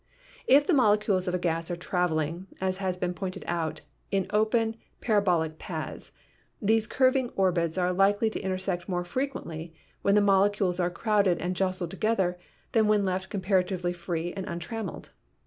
If the molecules of a gas are traveling, as has been pointed out, in open parabolic paths, these curving orbits are likely to intersect more frequently when the molecules are crowded and jostled together than when left comparatively free and untrammeled.